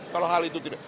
kalau hal itu tidak